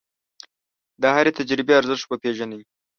د هرې تجربې ارزښت وپېژنئ.